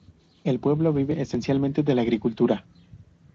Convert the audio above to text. El pueblo vive esencialmente de la agricultura.